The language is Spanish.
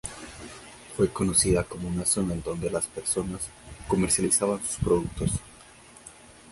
Fue conocida como una zona en donde las personas comercializaban sus productos.